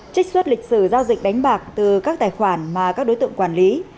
trích xuất lịch sử giao dịch đánh bạc từ các tài khoản mà các đối tượng quản lý